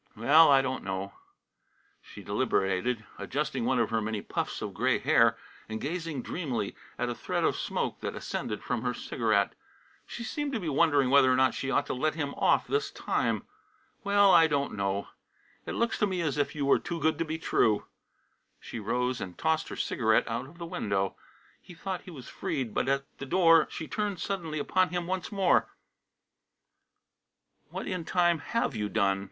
"Well, I don't know " She deliberated, adjusting one of her many puffs of gray hair, and gazing dreamily at a thread of smoke that ascended from her cigarette. She seemed to be wondering whether or not she ought to let him off this time. "Well, I don't know. It looks to me as if you were too good to be true." She rose and tossed her cigarette out of the window. He thought he was freed, but at the door she turned suddenly upon him once more. "What in time have you done?